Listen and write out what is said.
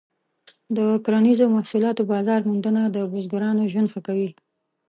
د کرنیزو محصولاتو بازار موندنه د بزګرانو ژوند ښه کوي.